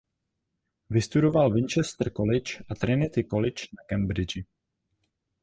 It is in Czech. Vystudoval Winchester College a Trinity College na Cambridgi.